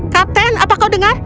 kapten apa kau dengar